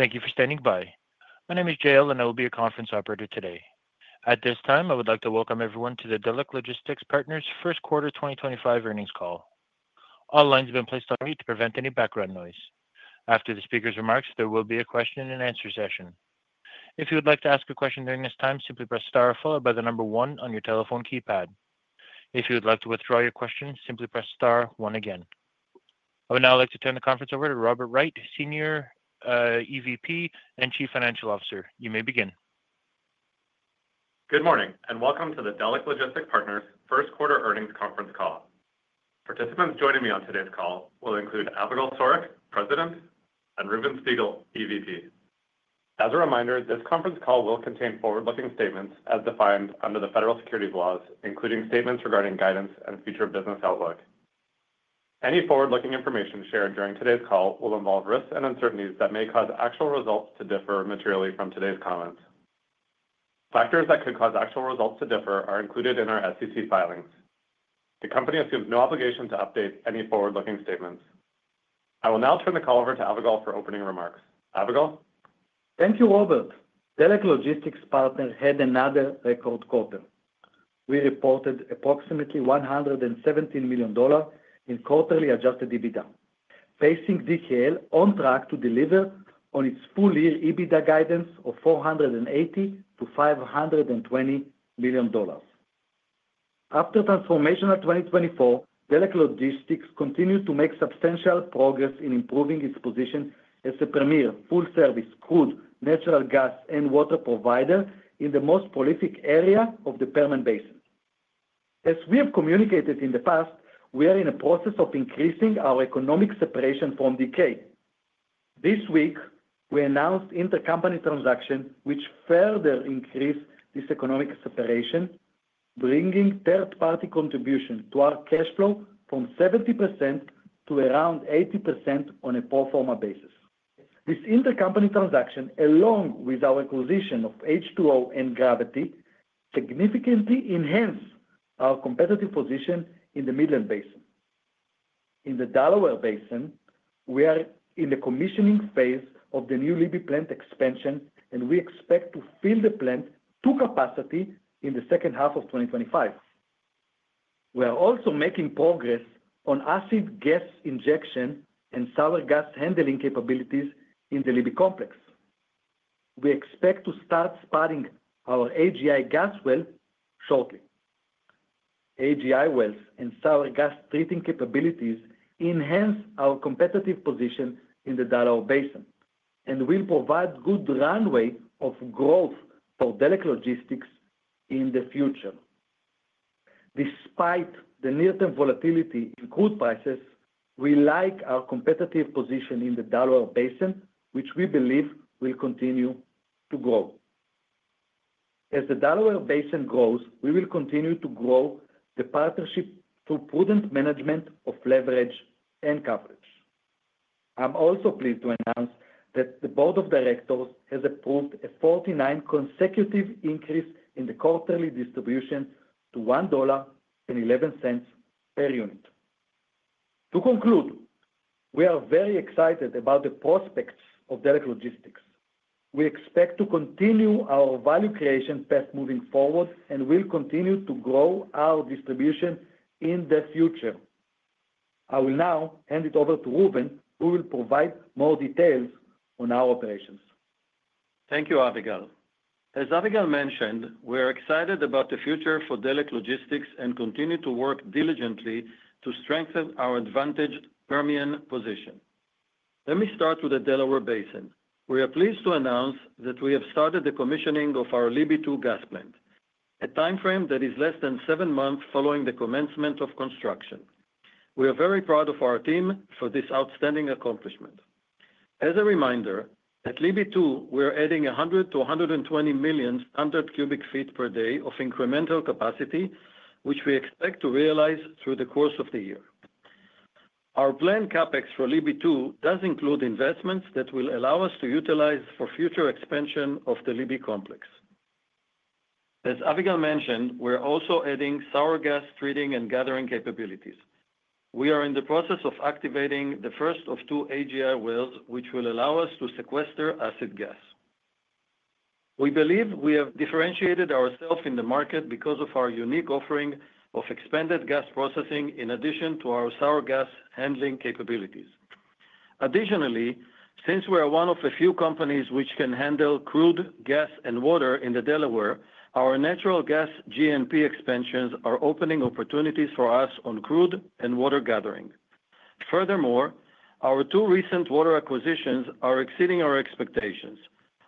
Thank you for standing by. My name is Jale, and I will be your conference operator today. At this time, I would like to welcome everyone to the Delek Logistics Partners' first quarter 2025 earnings call. All lines have been placed on mute to prevent any background noise. After the speaker's remarks, there will be a question-and-answer session. If you would like to ask a question during this time, simply press star followed by the number one on your telephone keypad. If you would like to withdraw your question, simply press star one again. I would now like to turn the conference over to Robert Wright, Senior Executive Vice President and Chief Financial Officer. You may begin. Good morning, and welcome to the Delek Logistics Partners' first quarter earnings conference call. Participants joining me on today's call will include Avigal Soreq, President, and Reuven Spiegel, EVP. As a reminder, this conference call will contain forward-looking statements as defined under the federal securities laws, including statements regarding guidance and future business outlook. Any forward-looking information shared during today's call will involve risks and uncertainties that may cause actual results to differ materially from today's comments. Factors that could cause actual results to differ are included in our SEC filings. The company assumes no obligation to update any forward-looking statements. I will now turn the call over to Avigal for opening remarks. Avigal. Thank you, Robert. Delek Logistics Partners had another record quarter. We reported approximately $117 million in quarterly adjusted EBITDA, facing DKL on track to deliver on its full-year EBITDA guidance of $480 million-$520 million. After transformational 2024, Delek Logistics continues to make substantial progress in improving its position as a premier full-service crude, natural gas, and water provider in the most prolific area of the Permian Basin. As we have communicated in the past, we are in a process of increasing our economic separation from DK. This week, we announced intercompany transactions, which further increase this economic separation, bringing third-party contribution to our cash flow from 70% to around 80% on a pro forma basis. This intercompany transaction, along with our acquisition of H2O Midstream and Gravity Midstream, significantly enhanced our competitive position in the Midland Basin. In the Delaware Basin, we are in the commissioning phase of the new LIBI plant expansion, and we expect to fill the plant to capacity in the second half of 2025. We are also making progress on acid gas injection and sour gas handling capabilities in the LIBI complex. We expect to start spotting our AGI gas well shortly. AGI wells and sour gas treating capabilities enhance our competitive position in the Delaware Basin and will provide a good runway of growth for Delek Logistics in the future. Despite the near-term volatility in crude prices, we like our competitive position in the Delaware Basin, which we believe will continue to grow. As the Delaware Basin grows, we will continue to grow the partnership through prudent management of leverage and coverage. I'm also pleased to announce that the Board of Directors has approved a 49 consecutive increase in the quarterly distribution to $1.11 per unit. To conclude, we are very excited about the prospects of Delek Logistics. We expect to continue our value creation path moving forward and will continue to grow our distribution in the future. I will now hand it over to Reuven, who will provide more details on our operations. Thank you, Avigal. As Avigal mentioned, we are excited about the future for Delek Logistics and continue to work diligently to strengthen our advantaged Permian position. Let me start with the Delaware Basin. We are pleased to announce that we have started the commissioning of our LIBI 2 gas plant, a timeframe that is less than seven months following the commencement of construction. We are very proud of our team for this outstanding accomplishment. As a reminder, at LIBI 2, we are adding 100-120 million standard cubic feet per day of incremental capacity, which we expect to realize through the course of the year. Our planned CapEx for LIBI 2 does include investments that will allow us to utilize for future expansion of the LIBI complex. As Avigal mentioned, we're also adding sour gas treating and gathering capabilities. We are in the process of activating the first of two AGI wells, which will allow us to sequester acid gas. We believe we have differentiated ourselves in the market because of our unique offering of expanded gas processing in addition to our sour gas handling capabilities. Additionally, since we are one of a few companies which can handle crude, gas, and water in Delaware, our natural gas G&P expansions are opening opportunities for us on crude and water gathering. Furthermore, our two recent water acquisitions are exceeding our expectations.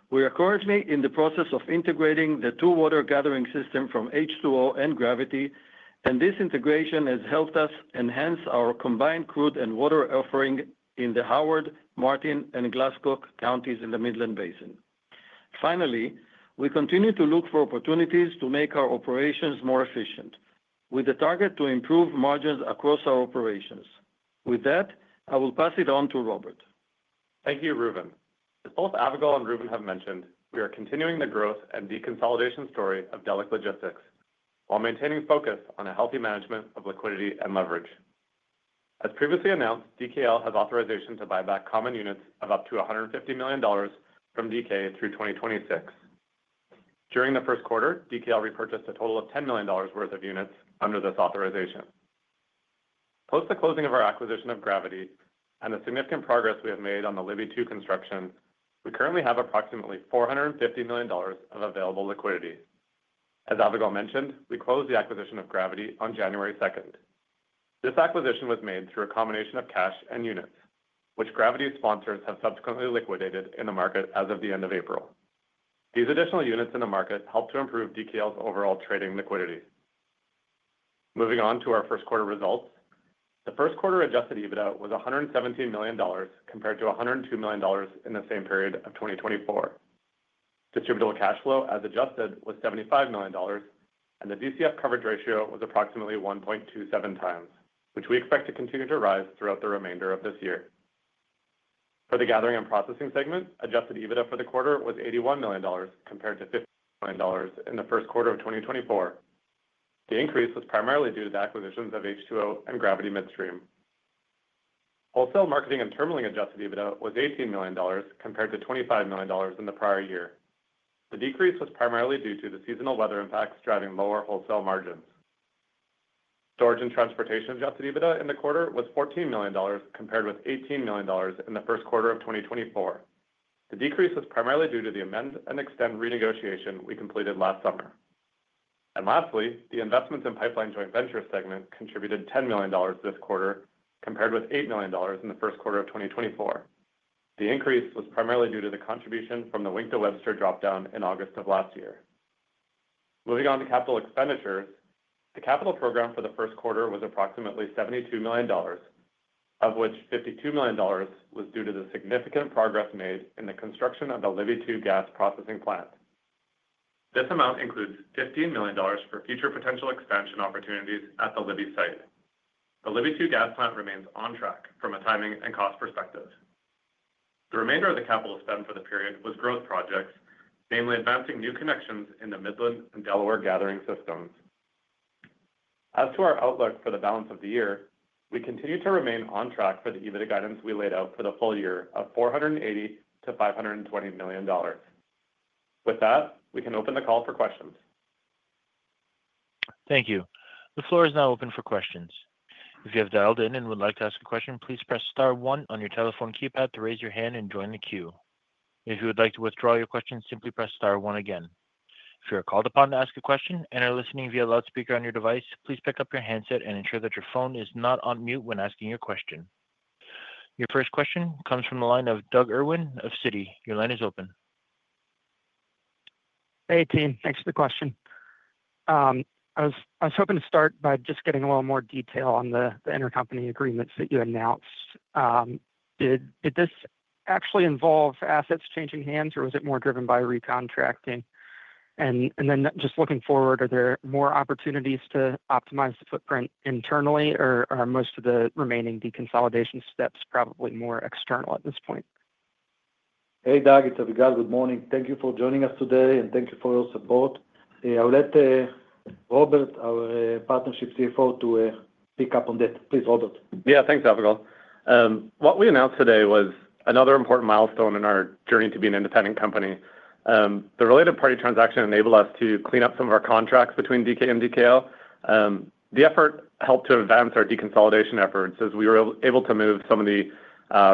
We are currently in the process of integrating the two-water gathering systems from H2O Midstream and Gravity Midstream, and this integration has helped us enhance our combined crude and water offering in the Howard, Martin, and Glasscock counties in the Midland Basin. Finally, we continue to look for opportunities to make our operations more efficient, with the target to improve margins across our operations. With that, I will pass it on to Robert. Thank you, Reuven. As both Avigal and Reuven have mentioned, we are continuing the growth and deconsolidation story of Delek Logistics while maintaining focus on a healthy management of liquidity and leverage. As previously announced, DKL has authorization to buy back common units of up to $150 million from DK through 2026. During the first quarter, DKL repurchased a total of $10 million worth of units under this authorization. Post the closing of our acquisition of Gravity Midstream and the significant progress we have made on the LIBI 2 construction, we currently have approximately $450 million of available liquidity. As Avigal mentioned, we closed the acquisition of Gravity Midstream on January 2nd. This acquisition was made through a combination of cash and units, which Gravity's sponsors have subsequently liquidated in the market as of the end of April. These additional units in the market help to improve DKL's overall trading liquidity. Moving on to our first quarter results, the first quarter adjusted EBITDA was $117 million compared to $102 million in the same period of 2024. Distributable cash flow, as adjusted, was $75 million, and the DCF coverage ratio was approximately 1.27 times, which we expect to continue to rise throughout the remainder of this year. For the gathering and processing segment, adjusted EBITDA for the quarter was $81 million compared to $50 million in the first quarter of 2024. The increase was primarily due to the acquisitions of H2O Midstream and Gravity Midstream. Wholesale marketing and terminalling adjusted EBITDA was $18 million compared to $25 million in the prior year. The decrease was primarily due to the seasonal weather impacts driving lower wholesale margins. Storage and transportation adjusted EBITDA in the quarter was $14 million compared with $18 million in the first quarter of 2024. The decrease was primarily due to the amend and extend renegotiation we completed last summer. Lastly, the investments in pipeline joint venture segment contributed $10 million this quarter compared with $8 million in the first quarter of 2024. The increase was primarily due to the contribution from the Wink to Webster dropdown in August of last year. Moving on to capital expenditures, the capital program for the first quarter was approximately $72 million, of which $52 million was due to the significant progress made in the construction of the LIBI 2 gas processing plant. This amount includes $15 million for future potential expansion opportunities at the LIBI site. The LIBI 2 gas plant remains on track from a timing and cost perspective. The remainder of the capital spent for the period was growth projects, namely advancing new connections in the Midland Basin and Delaware Basin gathering systems. As to our outlook for the balance of the year, we continue to remain on track for the EBITDA guidance we laid out for the full year of $480 million-$520 million. With that, we can open the call for questions. Thank you. The floor is now open for questions. If you have dialed in and would like to ask a question, please press star one on your telephone keypad to raise your hand and join the queue. If you would like to withdraw your question, simply press star one again. If you're called upon to ask a question and are listening via loudspeaker on your device, please pick up your handset and ensure that your phone is not on mute when asking your question. Your first question comes from the line of Doug Irwin of Citigroup. Your line is open. Hey, team. Thanks for the question. I was hoping to start by just getting a little more detail on the intercompany agreements that you announced. Did this actually involve assets changing hands, or was it more driven by recontracting? Then just looking forward, are there more opportunities to optimize the footprint internally, or are most of the remaining deconsolidation steps probably more external at this point? Hey, Doug. It's Avigal. Good morning. Thank you for joining us today, and thank you for your support. I'll let Robert, our partnership CFO, pick up on that. Please, Robert. Yeah, thanks, Avigal. What we announced today was another important milestone in our journey to being an independent company. The related party transaction enabled us to clean up some of our contracts between DK and DKL. The effort helped to advance our deconsolidation efforts as we were able to move some of the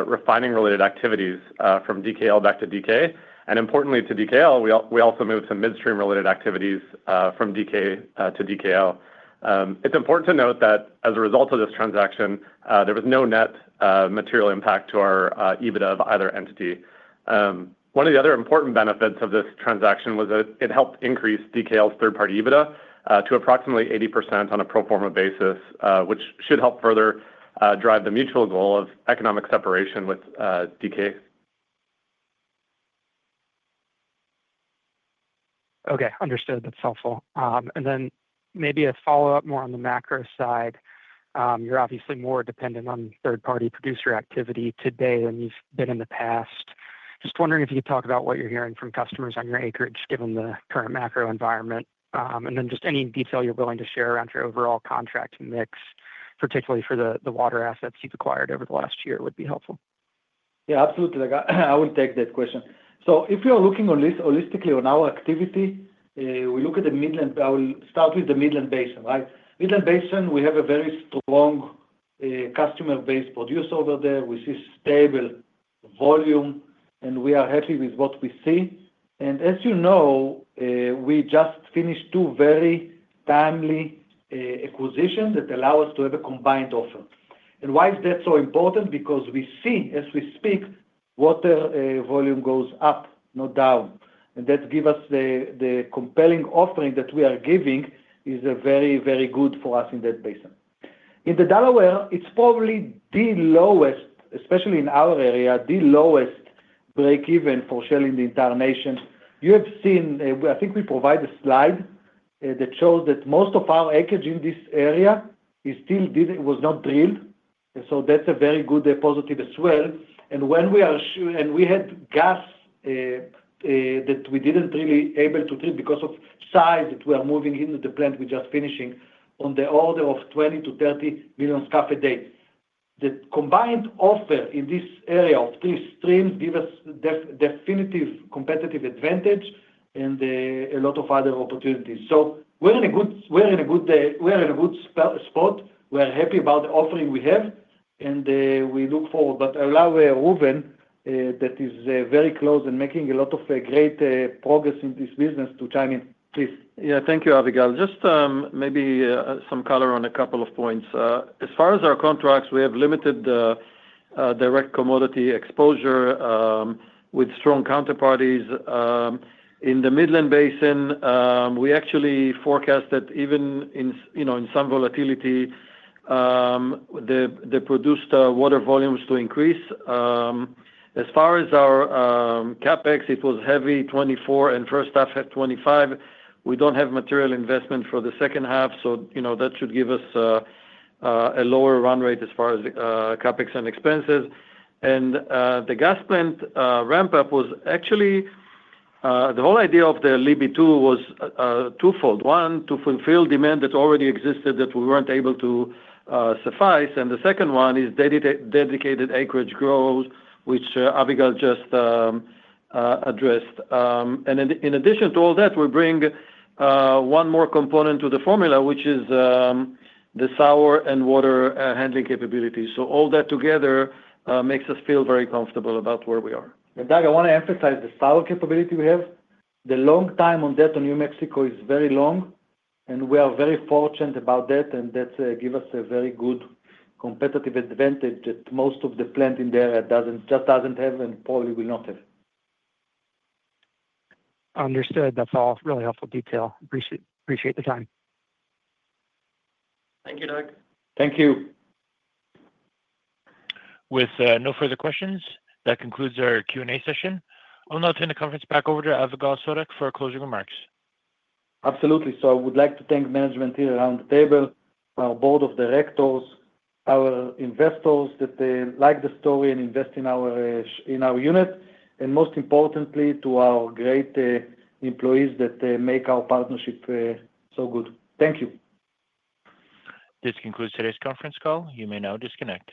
refining-related activities from DKL back to DK. Importantly, to DKL, we also moved some midstream-related activities from DK to DKL. It's important to note that as a result of this transaction, there was no net material impact to our EBITDA of either entity. One of the other important benefits of this transaction was that it helped increase DKL's third-party EBITDA to approximately 80% on a pro forma basis, which should help further drive the mutual goal of economic separation with DK. Okay, understood. That's helpful. Maybe a follow-up more on the macro side. You're obviously more dependent on third-party producer activity today than you've been in the past. Just wondering if you could talk about what you're hearing from customers on your acreage given the current macro environment. Just any detail you're willing to share around your overall contract mix, particularly for the water assets you've acquired over the last year would be helpful. Yeah, absolutely. I will take that question. If you're looking holistically on our activity, we look at the Midland Basin. I will start with the Midland Basin, right? Midland Basin, we have a very strong customer base producer over there. We see stable volume, and we are happy with what we see. As you know, we just finished two very timely acquisitions that allow us to have a combined offer. Why is that so important? We see, as we speak, water volume goes up, not down. That gives us the compelling offering that we are giving, which is very, very good for us in that basin. In Delaware Basin, it's probably the lowest, especially in our area, the lowest break-even for shelling the entire nation. You have seen, I think we provide a slide that shows that most of our acreage in this area was not drilled. That is a very good positive as well. When we had gas that we did not really be able to drill because of size that we are moving into the plant, we are just finishing on the order of 20 million-30 million scf a day. The combined offer in this area of three streams gives us definitive competitive advantage and a lot of other opportunities. We are in a good spot. We are happy about the offering we have, and we look forward. I will allow Reuven, that is very close and making a lot of great progress in this business, to chime in. Please. Yeah, thank you, Avigal. Just maybe some color on a couple of points. As far as our contracts, we have limited direct commodity exposure with strong counterparties. In the Midland Basin, we actually forecast that even in some volatility, the produced water volume was to increase. As far as our CapEx, it was heavy, 2024, and first half had 2025. We don't have material investment for the second half, so that should give us a lower run rate as far as CapEx and expenses. The gas plant ramp-up was actually the whole idea of the LIBI 2 was twofold. One, to fulfill demand that already existed that we weren't able to suffice. The second one is dedicated acreage growth, which Avigal just addressed. In addition to all that, we bring one more component to the formula, which is the sour and water handling capability. All that together makes us feel very comfortable about where we are. Doug, I want to emphasize the sour capability we have. The long time on that in New Mexico is very long, and we are very fortunate about that. That gives us a very good competitive advantage that most of the plant in there just does not have and probably will not have. Understood. That's all really helpful detail. Appreciate the time. Thank you, Doug. Thank you. With no further questions, that concludes our Q&A session. I'll now turn the conference back over to Avigal Soreq for closing remarks. Absolutely. I would like to thank management here around the table, our board of directors, our investors that like the story and invest in our unit, and most importantly, to our great employees that make our partnership so good. Thank you. This concludes today's conference call. You may now disconnect.